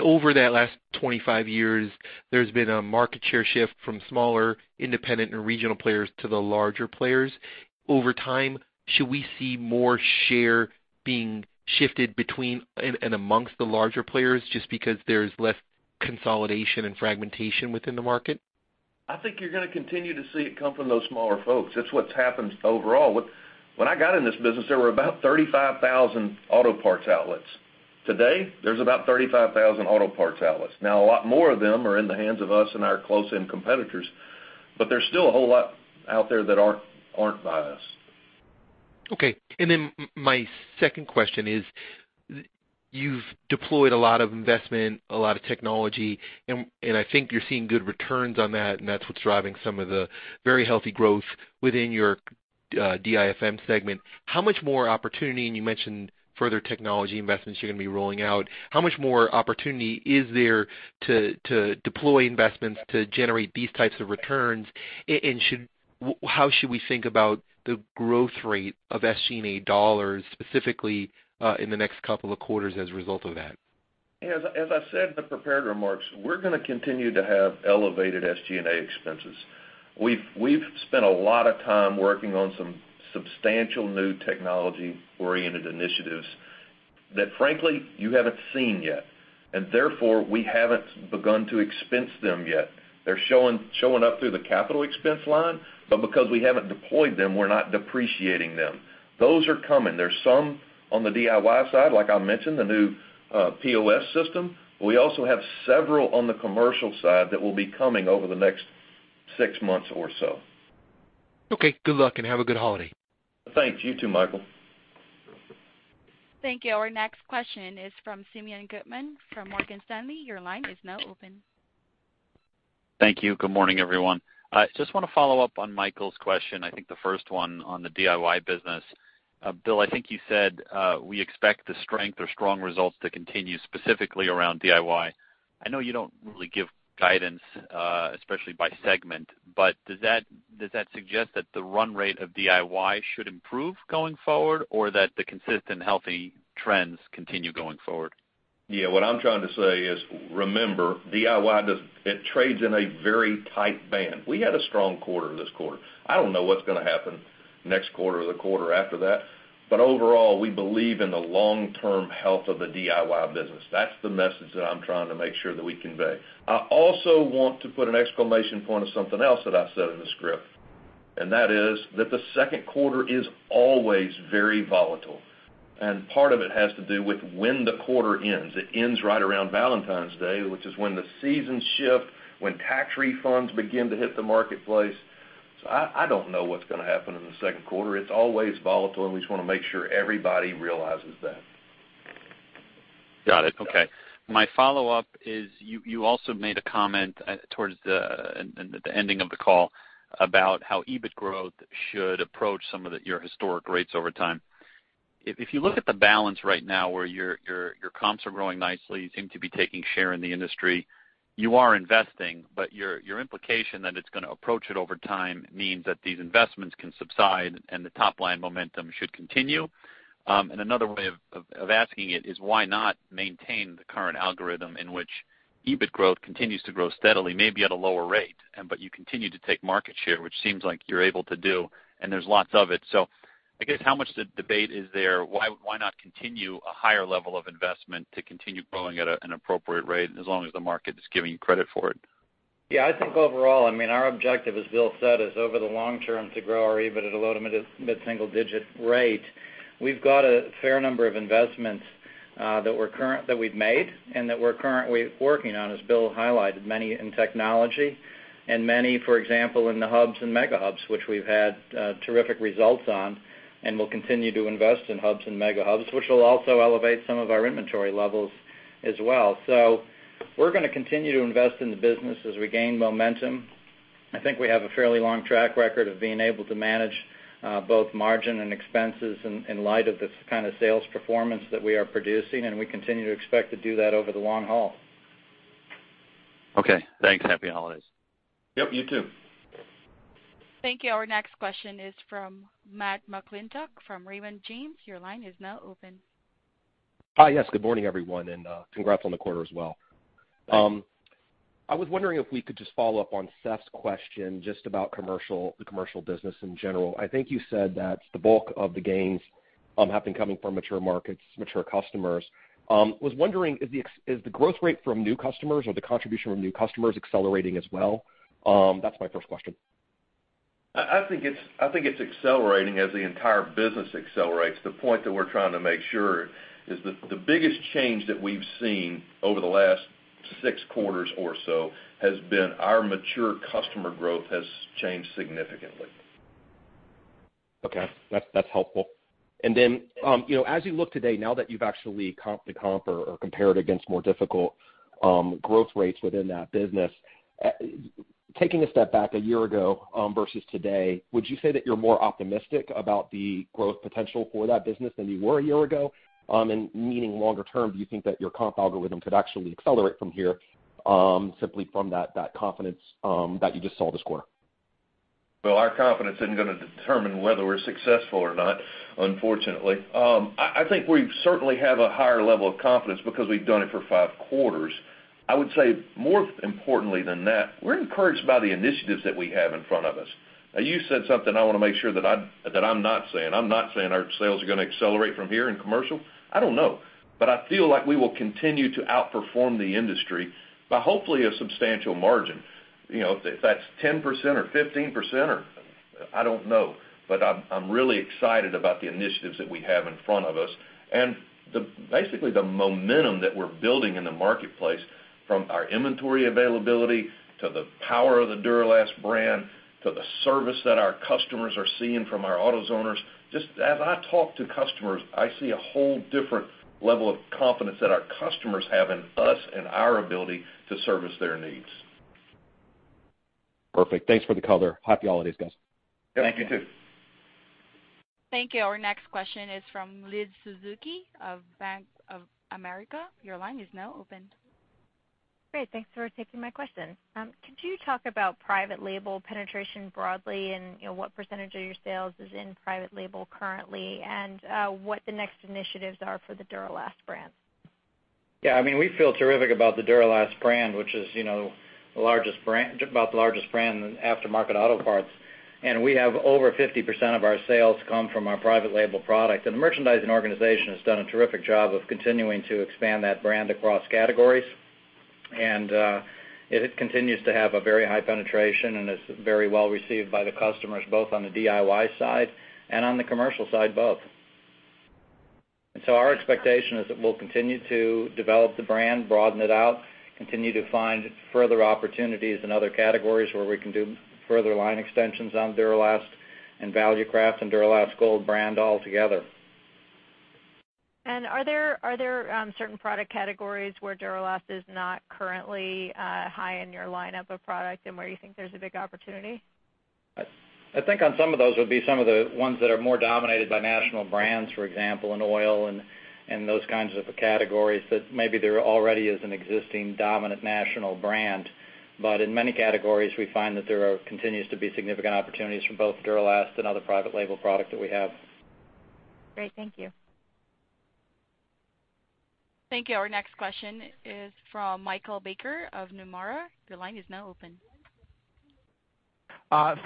Over that last 25 years, there's been a market share shift from smaller independent and regional players to the larger players. Over time, should we see more share being shifted between and amongst the larger players just because there's less consolidation and fragmentation within the market? I think you're going to continue to see it come from those smaller folks. That's what's happened overall. When I got in this business, there were about 35,000 auto parts outlets. Today, there's about 35,000 auto parts outlets. A lot more of them are in the hands of us and our close-in competitors, but there's still a whole lot out there that aren't by us. My second question is, you've deployed a lot of investment, a lot of technology, and I think you're seeing good returns on that, and that's what's driving some of the very healthy growth within your DIFM segment. How much more opportunity, and you mentioned further technology investments you're going to be rolling out, how much more opportunity is there to deploy investments to generate these types of returns? How should we think about the growth rate of SG&A dollars specifically, in the next couple of quarters as a result of that? As I said in the prepared remarks, we're going to continue to have elevated SG&A expenses. We've spent a lot of time working on some substantial new technology-oriented initiatives that frankly, you haven't seen yet, and therefore we haven't begun to expense them yet. They're showing up through the capital expense line, but because we haven't deployed them, we're not depreciating them. Those are coming. There's some on the DIY side, like I mentioned, the new POS system. We also have several on the commercial side that will be coming over the next six months or so. Okay. Good luck, and have a good holiday. Thanks. You too, Michael. Thank you. Our next question is from Simeon Gutman from Morgan Stanley. Your line is now open. Thank you. Good morning, everyone. I just want to follow up on Michael's question, I think the first one on the DIY business. Bill, I think you said, we expect the strength or strong results to continue specifically around DIY. I know you don't really give guidance, especially by segment, does that suggest that the run rate of DIY should improve going forward or that the consistent healthy trends continue going forward? What I'm trying to say is, remember, DIY, it trades in a very tight band. We had a strong quarter this quarter. I don't know what's going to happen next quarter or the quarter after that, but overall, we believe in the long-term health of the DIY business. That's the message that I'm trying to make sure that we convey. I also want to put an exclamation point of something else that I said in the script, and that is that the second quarter is always very volatile. Part of it has to do with when the quarter ends. It ends right around Valentine's Day, which is when the seasons shift, when tax refunds begin to hit the marketplace. I don't know what's going to happen in the second quarter. It's always volatile, and we just want to make sure everybody realizes that. Got it. Okay. My follow-up is, you also made a comment towards the ending of the call about how EBIT growth should approach some of your historic rates over time. If you look at the balance right now where your comps are growing nicely, you seem to be taking share in the industry, you are investing, but your implication that it's going to approach it over time means that these investments can subside and the top-line momentum should continue. Another way of asking it is why not maintain the current algorithm in which EBIT growth continues to grow steadily, maybe at a lower rate, but you continue to take market share, which seems like you're able to do, and there's lots of it. I guess, how much of the debate is there, why not continue a higher level of investment to continue growing at an appropriate rate as long as the market is giving you credit for it? Yeah, I think overall, our objective, as Bill said, is over the long term to grow our EBIT at a low to mid-single digit rate. We've got a fair number of investments that we've made and that we're currently working on, as Bill highlighted, many in technology and many, for example, in the hubs and mega hubs, which we've had terrific results on and will continue to invest in hubs and mega hubs, which will also elevate some of our inventory levels as well. We're going to continue to invest in the business as we gain momentum. I think we have a fairly long track record of being able to manage both margin and expenses in light of the kind of sales performance that we are producing, and we continue to expect to do that over the long haul. Okay, thanks. Happy holidays. Yep, you too. Thank you. Our next question is from Matthew McClintock from Raymond James. Your line is now open. Hi, yes, good morning, everyone, and congrats on the quarter as well. Thanks. I was wondering if we could just follow up on Seth's question just about the commercial business in general. I think you said that the bulk of the gains have been coming from mature markets, mature customers. Was wondering, is the growth rate from new customers or the contribution from new customers accelerating as well? That's my first question. I think it's accelerating as the entire business accelerates. The point that we're trying to make sure is that the biggest change that we've seen over the last six quarters or so has been our mature customer growth has changed significantly. Okay. That's helpful. As you look today, now that you've actually comped the comp or compared against more difficult growth rates within that business, taking a step back a year ago versus today, would you say that you're more optimistic about the growth potential for that business than you were a year ago? Meaning longer term, do you think that your comp algorithm could actually accelerate from here, simply from that confidence that you just saw this quarter? Our confidence isn't going to determine whether we're successful or not, unfortunately. I think we certainly have a higher level of confidence because we've done it for five quarters. I would say more importantly than that, we're encouraged by the initiatives that we have in front of us. Now, you said something I want to make sure that I'm not saying. I'm not saying our sales are going to accelerate from here in commercial. I don't know. I feel like we will continue to outperform the industry by hopefully a substantial margin. If that's 10% or 15%, I don't know. I'm really excited about the initiatives that we have in front of us and basically the momentum that we're building in the marketplace, from our inventory availability to the power of the Duralast brand, to the service that our customers are seeing from our AutoZoners. Just as I talk to customers, I see a whole different level of confidence that our customers have in us and our ability to service their needs. Perfect. Thanks for the color. Happy holidays, guys. Thank you, too. Thank you. Our next question is from Elizabeth Suzuki of Bank of America. Your line is now open. Great. Thanks for taking my question. Could you talk about private label penetration broadly and what percentage of your sales is in private label currently and what the next initiatives are for the Duralast brand? Yeah, we feel terrific about the Duralast, which is about the largest brand in aftermarket auto parts. We have over 50% of our sales come from our private label product. The merchandising organization has done a terrific job of continuing to expand that brand across categories. It continues to have a very high penetration and is very well received by the customers, both on the DIY side and on the commercial side, both. Our expectation is that we'll continue to develop the brand, broaden it out, continue to find further opportunities in other categories where we can do further line extensions on Duralast and Valucraft and Duralast Gold altogether. Are there certain product categories where Duralast is not currently high in your lineup of product and where you think there's a big opportunity? I think on some of those would be some of the ones that are more dominated by national brands, for example, in oil and those kinds of categories that maybe there already is an existing dominant national brand. In many categories, we find that there continues to be significant opportunities for both Duralast and other private label product that we have. Great. Thank you. Thank you. Our next question is from Michael Baker of Nomura. Your line is now open.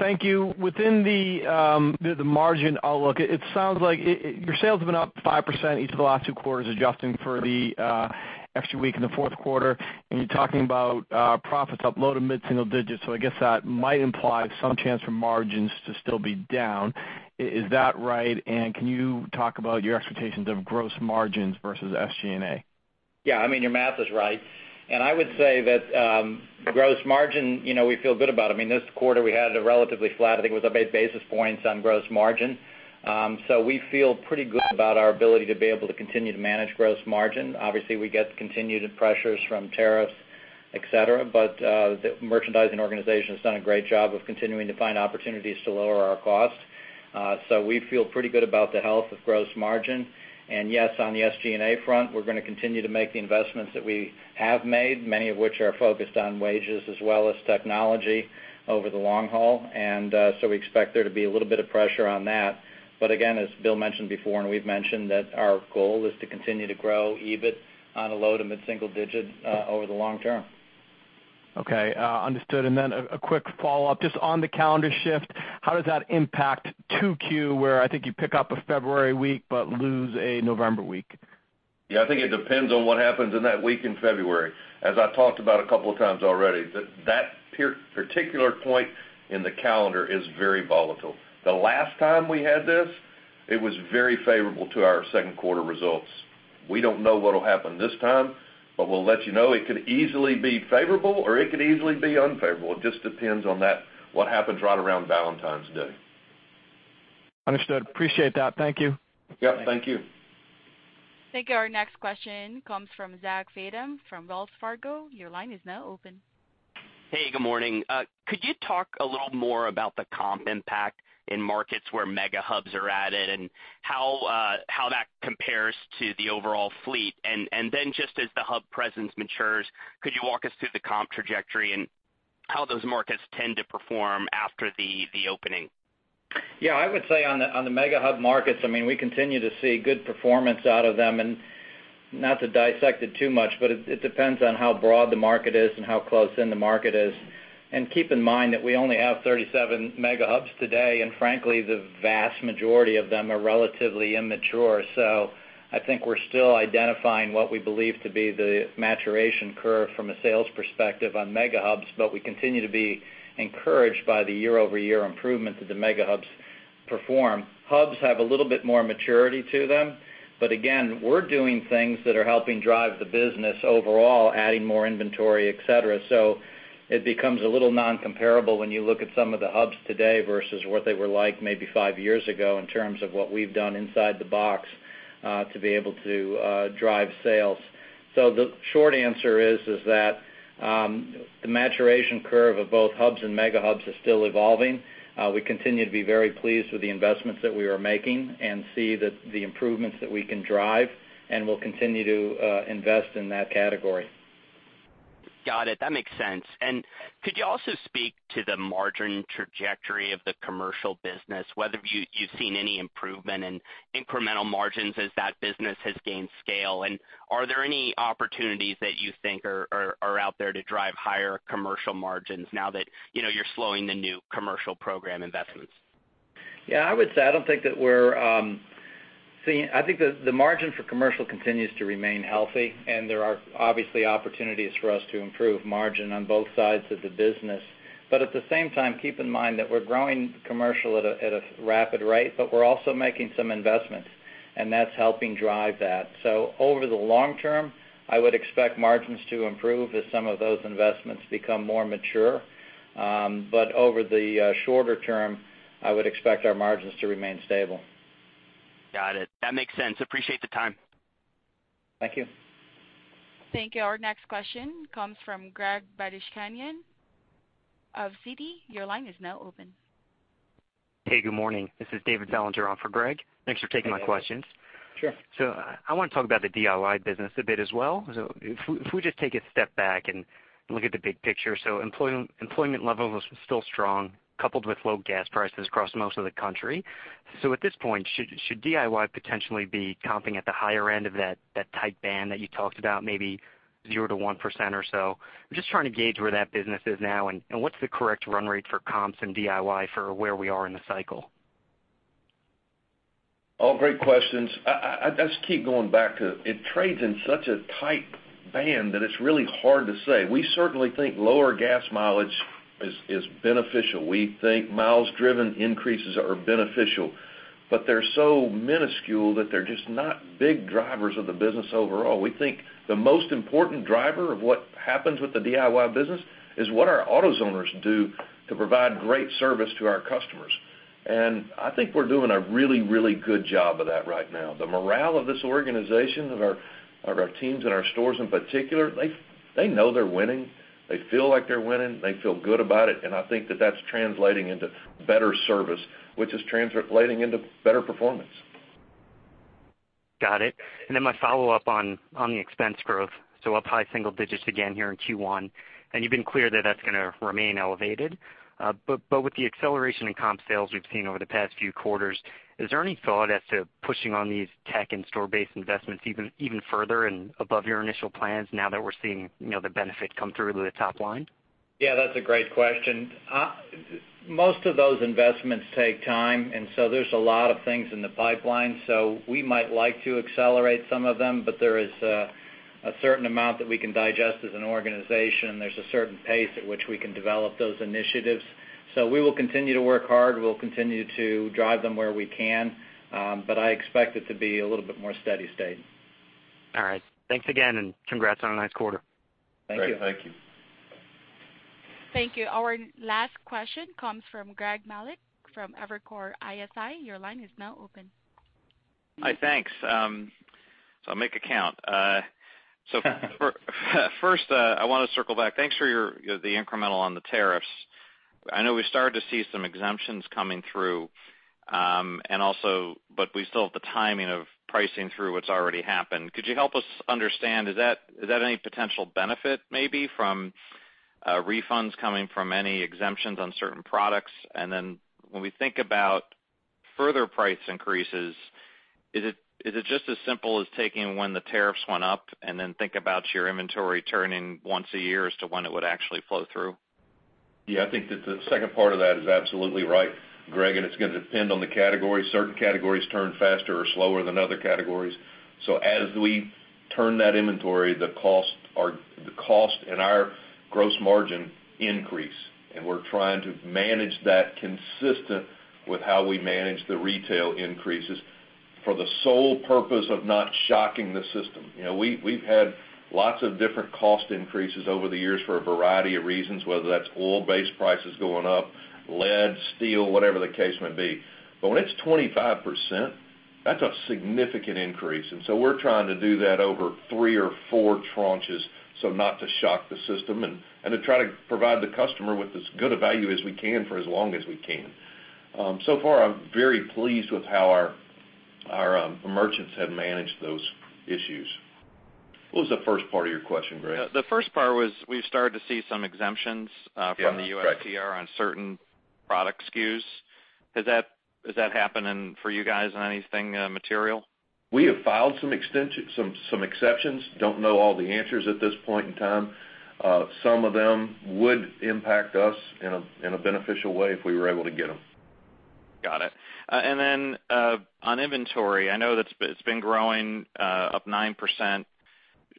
Thank you. Within the margin outlook, it sounds like your sales have been up 5% each of the last two quarters, adjusting for the extra week in the fourth quarter, and you're talking about profits up low to mid-single digits. I guess that might imply some chance for margins to still be down. Is that right? And can you talk about your expectations of gross margins versus SG&A? Yeah. Your math is right. I would say that gross margin, we feel good about. This quarter, we had a relatively flat, I think it was up eight basis points on gross margin. We feel pretty good about our ability to be able to continue to manage gross margin. Obviously, we get continued pressures from tariffs, et cetera, the merchandising organization has done a great job of continuing to find opportunities to lower our costs. We feel pretty good about the health of gross margin. Yes, on the SG&A front, we're going to continue to make the investments that we have made, many of which are focused on wages as well as technology over the long haul. We expect there to be a little bit of pressure on that. Again, as Bill mentioned before, and we've mentioned that our goal is to continue to grow EBIT on a low to mid-single digit over the long term. Okay, understood. A quick follow-up, just on the calendar shift, how does that impact 2Q, where I think you pick up a February week but lose a November week? I think it depends on what happens in that week in February. As I've talked about a couple of times already, that particular point in the calendar is very volatile. The last time we had this, it was very favorable to our second quarter results. We don't know what'll happen this time, but we'll let you know. It could easily be favorable or it could easily be unfavorable. It just depends on what happens right around Valentine's Day. Understood. Appreciate that. Thank you. Yep, thank you. Thank you. Our next question comes from Zachary Fadem from Wells Fargo. Your line is now open. Hey, good morning. Could you talk a little more about the comp impact in markets where mega hubs are added, and how that compares to the overall fleet? Just as the hub presence matures, could you walk us through the comp trajectory and how those markets tend to perform after the opening? I would say on the mega hub markets, we continue to see good performance out of them. Not to dissect it too much, but it depends on how broad the market is and how close in the market is. Keep in mind that we only have 37 mega hubs today, and frankly, the vast majority of them are relatively immature. I think we're still identifying what we believe to be the maturation curve from a sales perspective on mega hubs, but we continue to be encouraged by the year-over-year improvement that the mega hubs perform. Hubs have a little bit more maturity to them. Again, we're doing things that are helping drive the business overall, adding more inventory, et cetera. It becomes a little non-comparable when you look at some of the hubs today versus what they were like maybe five years ago in terms of what we've done inside the box, to be able to drive sales. The short answer is that the maturation curve of both hubs and mega hubs is still evolving. We continue to be very pleased with the investments that we are making and see the improvements that we can drive, and we'll continue to invest in that category. Got it. That makes sense. Could you also speak to the margin trajectory of the commercial business, whether you've seen any improvement in incremental margins as that business has gained scale? Are there any opportunities that you think are out there to drive higher commercial margins now that you're slowing the new commercial program investments? Yeah, I would say I think the margin for Commercial continues to remain healthy, and there are obviously opportunities for us to improve margin on both sides of the business. At the same time, keep in mind that we're growing Commercial at a rapid rate, but we're also making some investments, and that's helping drive that. Over the long term, I would expect margins to improve as some of those investments become more mature. Over the shorter term, I would expect our margins to remain stable. Got it. That makes sense. Appreciate the time. Thank you. Thank you. Our next question comes from Gregory Badishkanian of Citi. Your line is now open. Hey, good morning. This is David Bellinger on for Greg. Thanks for taking my questions. Sure. I want to talk about the DIY business a bit as well. If we just take a step back and look at the big picture. Employment levels are still strong, coupled with low gas prices across most of the country. At this point, should DIY potentially be comping at the higher end of that tight band that you talked about, maybe 0%-1% or so? I'm just trying to gauge where that business is now and what's the correct run rate for comps and DIY for where we are in the cycle. All great questions. I just keep going back to it trades in such a tight band that it's really hard to say. We certainly think lower gas mileage is beneficial. We think miles driven increases are beneficial, but they're so minuscule that they're just not big drivers of the business overall. We think the most important driver of what happens with the DIY business is what our AutoZoners do to provide great service to our customers. I think we're doing a really, really good job of that right now. The morale of this organization, of our teams in our stores in particular, they know they're winning. They feel like they're winning. They feel good about it, and I think that that's translating into better service, which is translating into better performance. Got it. My follow-up on the expense growth, up high single digits again here in Q1. You've been clear that that's going to remain elevated. With the acceleration in comp sales we've seen over the past few quarters, is there any thought as to pushing on these tech and store-based investments even further and above your initial plans now that we're seeing the benefit come through to the top line? Yeah, that's a great question. Most of those investments take time. There's a lot of things in the pipeline. We might like to accelerate some of them, but there is a certain amount that we can digest as an organization. There's a certain pace at which we can develop those initiatives. We will continue to work hard. We'll continue to drive them where we can, but I expect it to be a little bit more steady state. All right. Thanks again. Congrats on a nice quarter. Thank you. Great. Thank you. Thank you. Our last question comes from Greg Melich from Evercore ISI. Your line is now open. Hi, thanks. I'll make it count. First, I want to circle back. Thanks for the incremental on the tariffs. I know we've started to see some exemptions coming through. We still have the timing of pricing through what's already happened. Could you help us understand, is that any potential benefit maybe from refunds coming from any exemptions on certain products? When we think about further price increases, is it just as simple as taking when the tariffs went up and then think about your inventory turning once a year as to when it would actually flow through? Yeah, I think that the second part of that is absolutely right, Greg, and it's going to depend on the category. Certain categories turn faster or slower than other categories. So as we turn that inventory, the cost and our gross margin increase, and we're trying to manage that consistent with how we manage the retail increases for the sole purpose of not shocking the system. We've had lots of different cost increases over the years for a variety of reasons, whether that's oil-based prices going up, lead, steel, whatever the case may be. When it's 25%, that's a significant increase, and so we're trying to do that over three or four tranches, so not to shock the system and to try to provide the customer with as good a value as we can for as long as we can. So far, I'm very pleased with how our merchants have managed those issues. What was the first part of your question, Greg? The first part was we've started to see some exemptions. Yeah, right. from the USTR on certain product SKUs. Is that happening for you guys on anything material? We have filed some exceptions. Don't know all the answers at this point in time. Some of them would impact us in a beneficial way if we were able to get them. Got it. On inventory, I know it's been growing up 9%.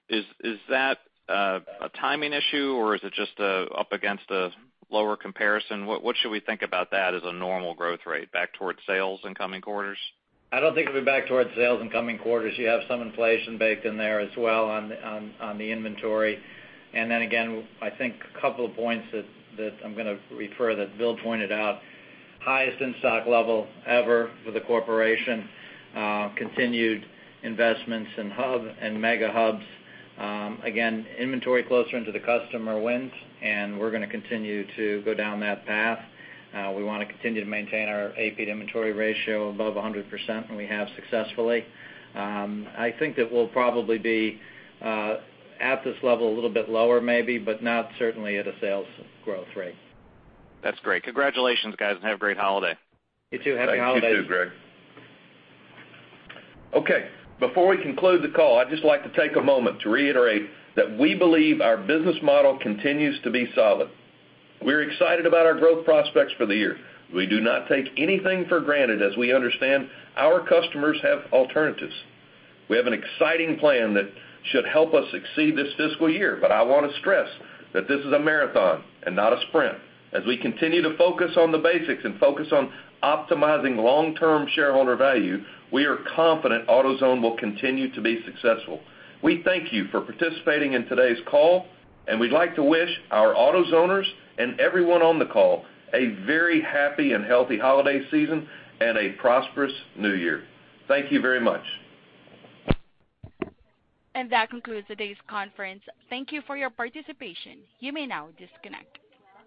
Is that a timing issue, or is it just up against a lower comparison? What should we think about that as a normal growth rate, back towards sales in coming quarters? I don't think it'll be back towards sales in coming quarters. You have some inflation baked in there as well on the inventory. Again, I think a couple of points that I'm going to refer that Bill pointed out. Highest in-stock level ever for the corporation. Continued investments in hub and mega hubs. Again, inventory closer into the customer wins, and we're going to continue to go down that path. We want to continue to maintain our AP inventory ratio above 100%, and we have successfully. I think that we'll probably be at this level, a little bit lower maybe, but not certainly at a sales growth rate. That's great. Congratulations, guys, and have a great holiday. You, too. Happy holidays. Thank you, too, Greg. Okay, before we conclude the call, I'd just like to take a moment to reiterate that we believe our business model continues to be solid. We're excited about our growth prospects for the year. We do not take anything for granted as we understand our customers have alternatives. We have an exciting plan that should help us succeed this fiscal year, but I want to stress that this is a marathon and not a sprint. As we continue to focus on the basics and focus on optimizing long-term shareholder value, we are confident AutoZone will continue to be successful. We thank you for participating in today's call, and we'd like to wish our AutoZoners and everyone on the call a very happy and healthy holiday season and a prosperous new year. Thank you very much. That concludes today's conference. Thank you for your participation. You may now disconnect.